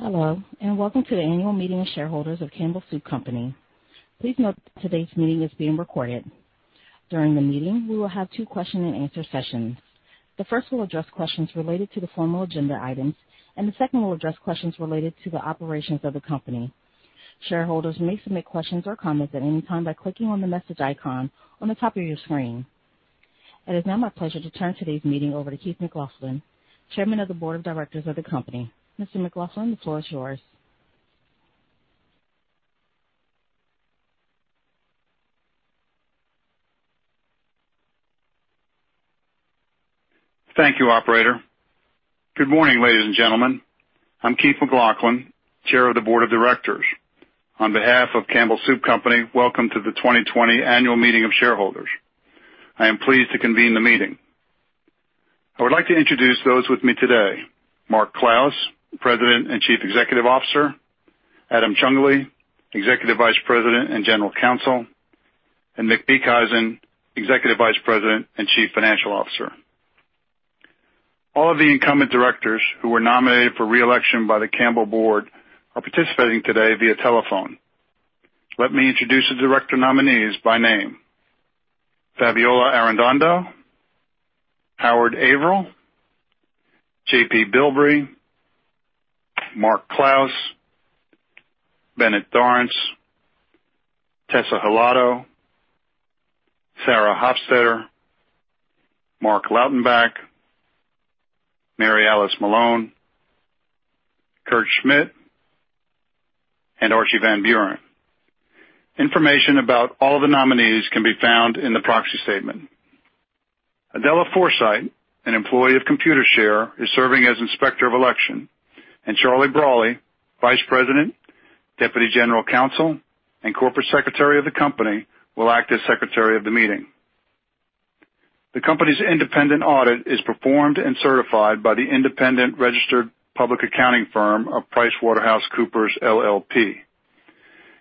Hello, and welcome to the Annual Meeting of Shareholders of Campbell Soup Company. Please note that today's meeting is being recorded. During the meeting, we will have two question and answer sessions. The first will address questions related to the formal agenda items, and the second will address questions related to the operations of the company. Shareholders may submit questions or comments at any time by clicking on the message icon on the top of your screen. It is now my pleasure to turn today's meeting over to Keith McLoughlin, Chairman of the Board of Directors of the company. Mr. McLoughlin, the floor is yours. Thank you, operator. Good morning, ladies and gentlemen. I'm Keith McLoughlin, Chair of the Board of Directors. On behalf of Campbell Soup Company, welcome to the 2020 annual meeting of shareholders. I am pleased to convene the meeting. I would like to introduce those with me today, Mark Clouse, President and Chief Executive Officer, Adam Ciongoli, Executive Vice President and General Counsel, and Mick Beekhuizen, Executive Vice President and Chief Financial Officer. All of the incumbent directors who were nominated for re-election by the Campbell board are participating today via telephone. Let me introduce the director nominees by name. Fabiola Arredondo, Howard Averill, J.P. Bilbrey, Mark Clouse, Bennett Dorrance, Tessa Hilado, Sarah Hofstetter, Marc Lautenbach, Mary Alice Malone, Kurt Schmidt, and Archie van Beuren. Information about all the nominees can be found in the proxy statement. Adela Forsyth, an employee of Computershare, is serving as Inspector of Election, and Charlie Brawley, Vice President, Deputy General Counsel, and Corporate Secretary of the company, will act as Secretary of the meeting. The company's independent audit is performed and certified by the independent registered public accounting firm of PricewaterhouseCoopers LLP.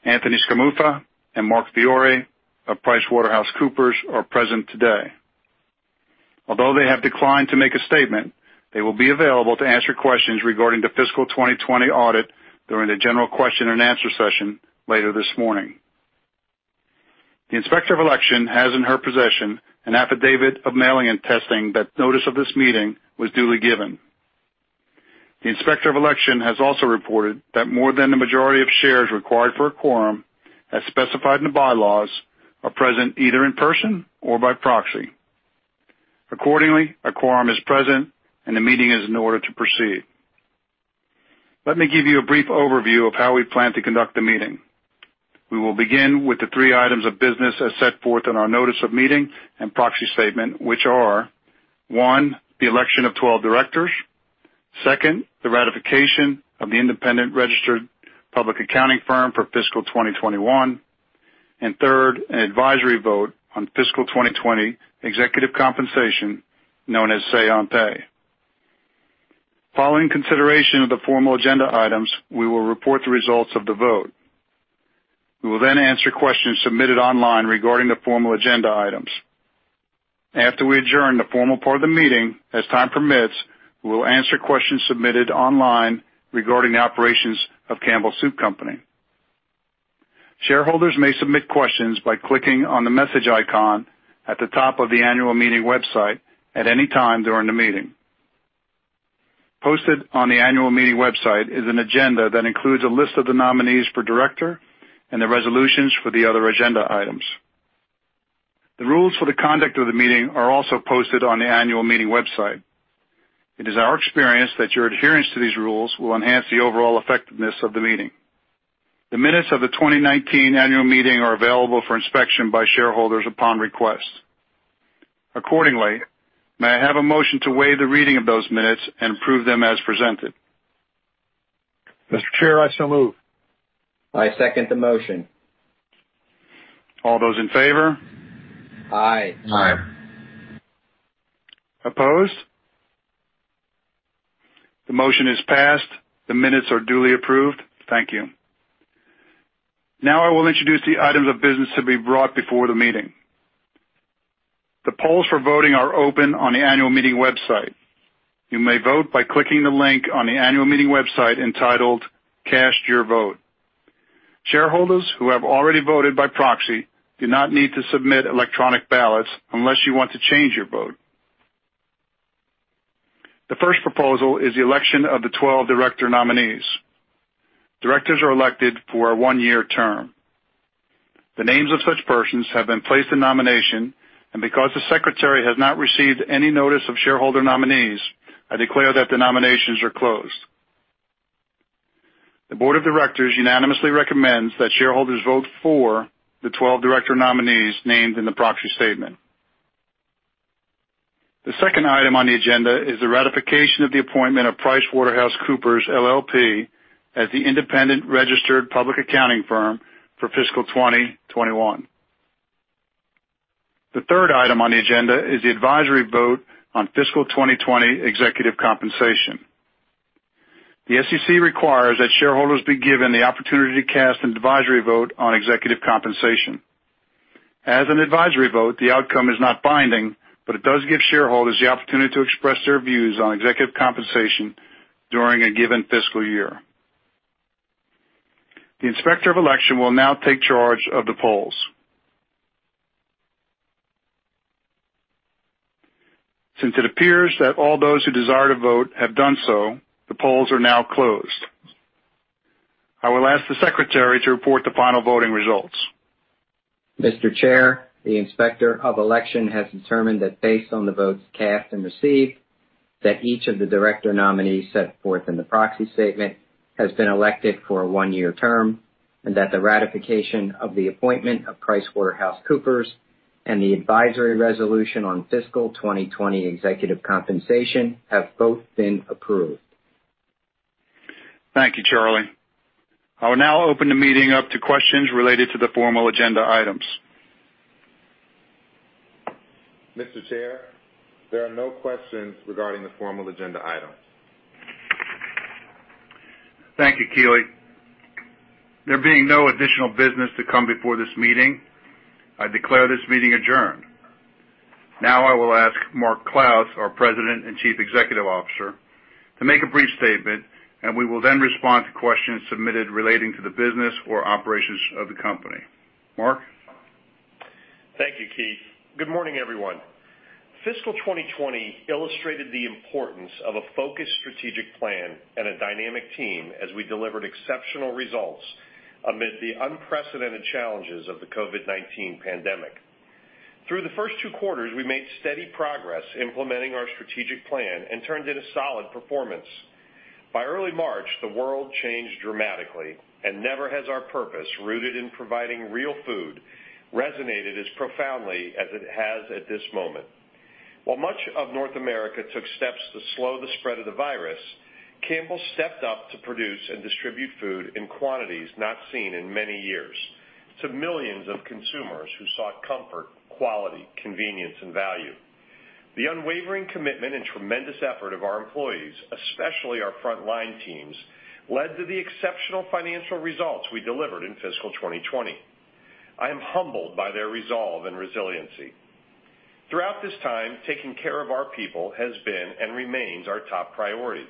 Anthony Scamuffa and Mike Fiore of PricewaterhouseCoopers are present today. Although they have declined to make a statement, they will be available to answer questions regarding the fiscal 2020 audit during the general question and answer session later this morning. The Inspector of Election has in her possession an affidavit of mailing and testing that notice of this meeting was duly given. The Inspector of Election has also reported that more than the majority of shares required for a quorum, as specified in the bylaws, are present either in person or by proxy. Accordingly, a quorum is present, and the meeting is in order to proceed. Let me give you a brief overview of how we plan to conduct the meeting. We will begin with the three items of business as set forth in our notice of meeting and proxy statement, which are, one, the election of 12 directors. Second, the ratification of the independent registered public accounting firm for fiscal 2021. Third, an advisory vote on fiscal 2020 executive compensation known as Say on Pay. Following consideration of the formal agenda items, we will report the results of the vote. We will then answer questions submitted online regarding the formal agenda items. After we adjourn the formal part of the meeting, as time permits, we will answer questions submitted online regarding the operations of Campbell Soup Company. Shareholders may submit questions by clicking on the message icon at the top of the annual meeting website at any time during the meeting. Posted on the annual meeting website is an agenda that includes a list of the nominees for director and the resolutions for the other agenda items. The rules for the conduct of the meeting are also posted on the annual meeting website. It is our experience that your adherence to these rules will enhance the overall effectiveness of the meeting. The minutes of the 2019 annual meeting are available for inspection by shareholders upon request. Accordingly, may I have a motion to waive the reading of those minutes and approve them as presented? Mr. Chair, I so move. I second the motion. All those in favor? Aye. Aye. Opposed? The motion is passed. The minutes are duly approved. Thank you. Now I will introduce the items of business to be brought before the meeting. The polls for voting are open on the annual meeting website. You may vote by clicking the link on the annual meeting website entitled Cast Your Vote. Shareholders who have already voted by proxy do not need to submit electronic ballots unless you want to change your vote. The first proposal is the election of the 12 director nominees. Directors are elected for a one-year term. The names of such persons have been placed in nomination, and because the secretary has not received any notice of shareholder nominees, I declare that the nominations are closed. The board of directors unanimously recommends that shareholders vote for the 12 director nominees named in the proxy statement. The second item on the agenda is the ratification of the appointment of PricewaterhouseCoopers LLP as the independent registered public accounting firm for fiscal 2021. The third item on the agenda is the advisory vote on fiscal 2020 executive compensation. The SEC requires that shareholders be given the opportunity to cast an advisory vote on executive compensation. As an advisory vote, the outcome is not binding, but it does give shareholders the opportunity to express their views on executive compensation during a given fiscal year. The Inspector of Election will now take charge of the polls. Since it appears that all those who desire to vote have done so, the polls are now closed. I will ask the secretary to report the final voting results. Mr. Chair, the Inspector of Election has determined that based on the votes cast and received, that each of the director nominees set forth in the proxy statement has been elected for a one-year term, and that the ratification of the appointment of PricewaterhouseCoopers and the advisory resolution on fiscal 2020 executive compensation have both been approved. Thank you, Charlie. I will now open the meeting up to questions related to the formal agenda items. Mr. Chair, there are no questions regarding the formal agenda items. Thank you, [Keeley]. There being no additional business to come before this meeting, I declare this meeting adjourned. Now I will ask Mark Clouse, our President and Chief Executive Officer, to make a brief statement, and we will then respond to questions submitted relating to the business or operations of the company. Mark? Thank you, Keith. Good morning, everyone. Fiscal 2020 illustrated the importance of a focused strategic plan and a dynamic team as we delivered exceptional results amid the unprecedented challenges of the COVID-19 pandemic. Through the first two quarters, we made steady progress implementing our strategic plan and turned in a solid performance. By early March, the world changed dramatically and never has our purpose, rooted in providing real food, resonated as profoundly as it has at this moment. While much of North America took steps to slow the spread of the virus, Campbell stepped up to produce and distribute food in quantities not seen in many years to millions of consumers who sought comfort, quality, convenience, and value. The unwavering commitment and tremendous effort of our employees, especially our frontline teams, led to the exceptional financial results we delivered in fiscal 2020. I am humbled by their resolve and resiliency. Throughout this time, taking care of our people has been and remains our top priority,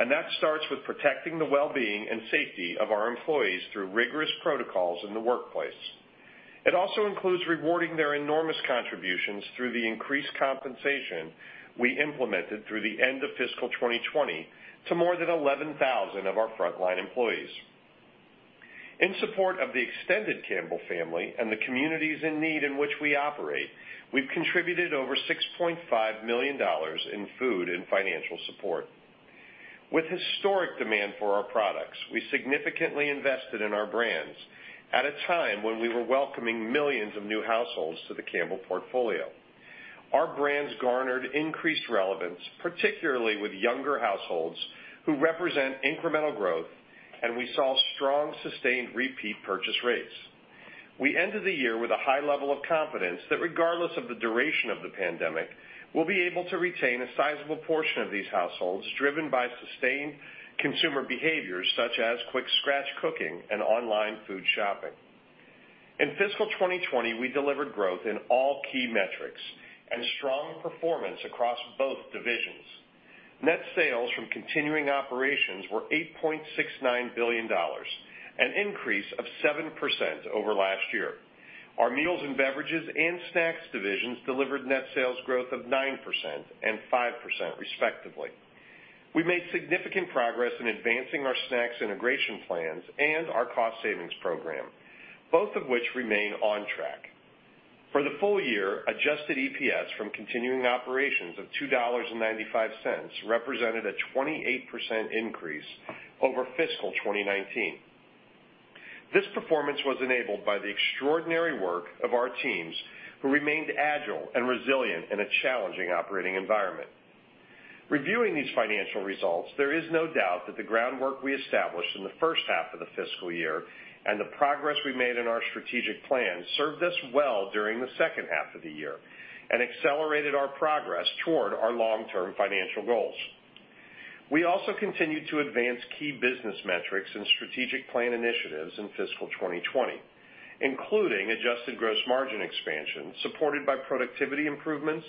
and that starts with protecting the well-being and safety of our employees through rigorous protocols in the workplace. It also includes rewarding their enormous contributions through the increased compensation we implemented through the end of fiscal 2020 to more than 11,000 of our frontline employees. In support of the extended Campbell family and the communities in need in which we operate, we've contributed over $6.5 million in food and financial support. With historic demand for our products, we significantly invested in our brands at a time when we were welcoming millions of new households to the Campbell portfolio. Our brands garnered increased relevance, particularly with younger households who represent incremental growth, and we saw strong, sustained repeat purchase rates. We ended the year with a high level of confidence that regardless of the duration of the pandemic, we'll be able to retain a sizable portion of these households driven by sustained consumer behaviors such as quick-scratch cooking and online food shopping. In fiscal 2020, we delivered growth in all key metrics and strong performance across both divisions. Net sales from continuing operations were $8.69 billion, an increase of 7% over last year. Our Meals and Beverages and Snacks divisions delivered net sales growth of 9% and 5%, respectively. We made significant progress in advancing our snacks integration plans and our cost savings program, both of which remain on track. For the full year, adjusted EPS from continuing operations of $2.95 represented a 28% increase over fiscal 2019. This performance was enabled by the extraordinary work of our teams who remained agile and resilient in a challenging operating environment. Reviewing these financial results, there is no doubt that the groundwork we established in the first half of the fiscal year and the progress we made in our strategic plan served us well during the second half of the year and accelerated our progress toward our long-term financial goals. We also continued to advance key business metrics and strategic plan initiatives in fiscal 2020, including adjusted gross margin expansion supported by productivity improvements,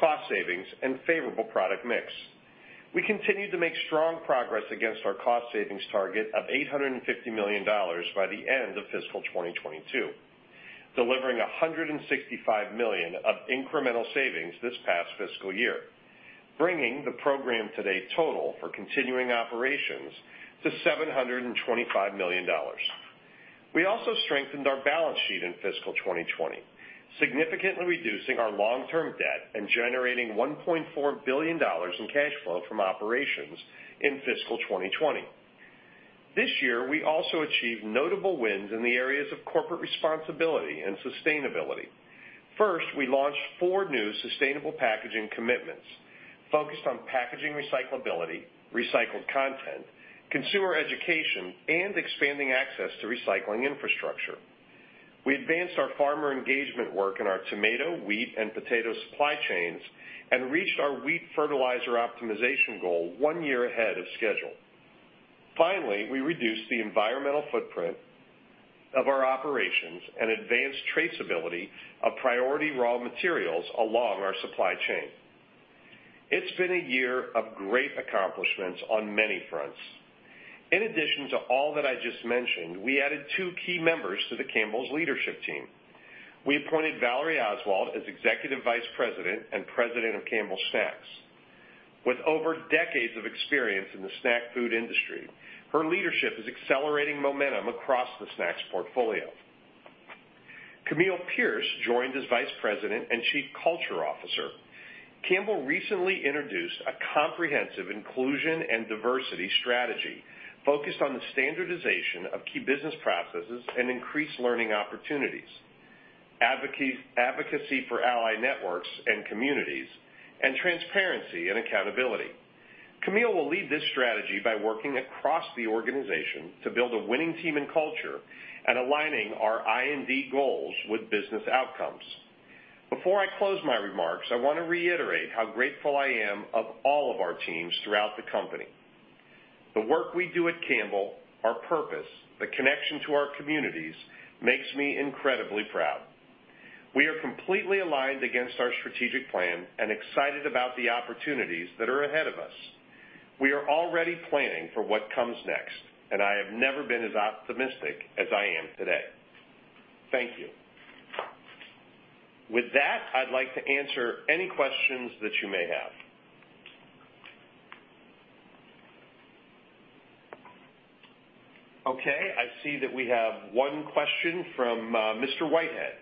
cost savings, and favorable product mix. We continued to make strong progress against our cost savings target of $850 million by the end of fiscal 2022, delivering $165 million of incremental savings this past fiscal year, bringing the program to date total for continuing operations to $725 million. We also strengthened our balance sheet in fiscal 2020, significantly reducing our long-term debt and generating $1.4 billion in cash flow from operations in fiscal 2020. This year, we also achieved notable wins in the areas of corporate responsibility and sustainability. First, we launched four new sustainable packaging commitments focused on packaging recyclability, recycled content, consumer education, and expanding access to recycling infrastructure. We advanced our farmer engagement work in our tomato, wheat, and potato supply chains and reached our wheat fertilizer optimization goal one year ahead of schedule. Finally, we reduced the environmental footprint of our operations and advanced traceability of priority raw materials along our supply chain. It's been a year of great accomplishments on many fronts. In addition to all that I just mentioned, we added two key members to the Campbell's leadership team. We appointed Valerie Oswalt as Executive Vice President and President of Campbell Snacks. With over decades of experience in the snack food industry, her leadership is accelerating momentum across the snacks portfolio. Camille Pierce joined as Vice President and Chief Culture Officer. Campbell recently introduced a comprehensive inclusion and diversity strategy focused on the standardization of key business processes and increased learning opportunities, advocacy for ally networks and communities, and transparency and accountability. Camille will lead this strategy by working across the organization to build a winning team and culture and aligning our I&D goals with business outcomes. Before I close my remarks, I want to reiterate how grateful I am of all of our teams throughout the company. The work we do at Campbell, our purpose, the connection to our communities, makes me incredibly proud. We are completely aligned against our strategic plan and excited about the opportunities that are ahead of us. We are already planning for what comes next, and I have never been as optimistic as I am today. Thank you. With that, I'd like to answer any questions that you may have. Okay, I see that we have one question from Mr. Whitehead.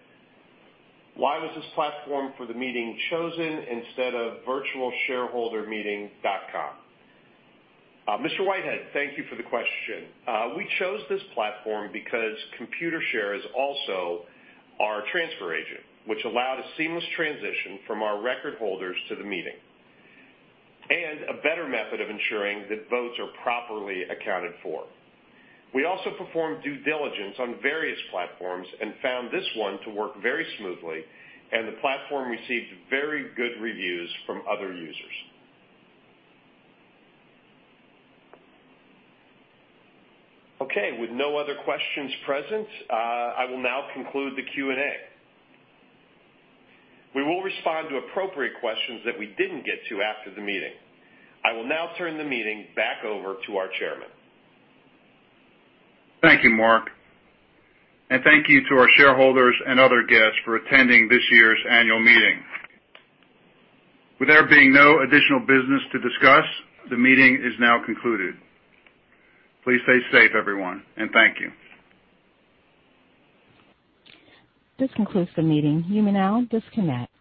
"Why was this platform for the meeting chosen instead of virtualshareholdermeeting.com?" Mr. Whitehead, thank you for the question. We chose this platform because Computershare is also our transfer agent, which allowed a seamless transition from our record holders to the meeting, and a better method of ensuring that votes are properly accounted for. We also performed due diligence on various platforms and found this one to work very smoothly, and the platform received very good reviews from other users. Okay, with no other questions present, I will now conclude the Q&A. We will respond to appropriate questions that we didn't get to after the meeting. I will now turn the meeting back over to our chairman. Thank you, Mark. Thank you to our shareholders and other guests for attending this year's annual meeting. With there being no additional business to discuss, the meeting is now concluded. Please stay safe, everyone, and thank you. This concludes the meeting. You may now disconnect.